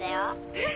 えっ！？